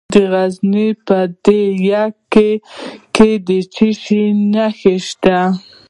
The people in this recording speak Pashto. د غزني په ده یک کې د څه شي نښې دي؟